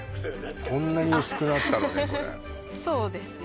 こんなに薄くなったのね